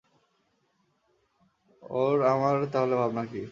ওর আমার তা হলে ভাবনা কি?